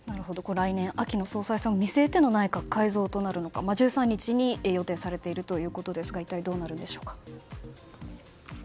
来年秋の総裁選を見据えての内閣改造となるのか、１３日に予定されているということですが一体どうなるんでしょうか。